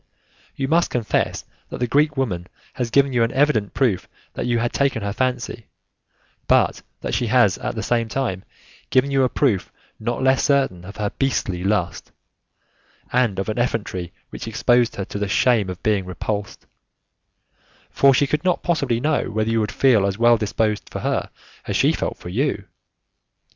You must confess that the Greek woman has given you an evident proof that you had taken her fancy, but that she has at the same time given you a proof not less certain of her beastly lust, and of an effrontery which exposed her to the shame of being repulsed, for she could not possibly know whether you would feel as well disposed for her as she felt for you.